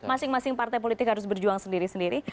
masing masing partai politik harus berjuang sendiri sendiri